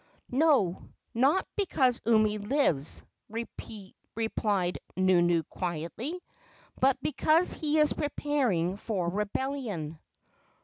"No; not because Umi lives," replied Nunu quietly, "but because he is preparing for rebellion."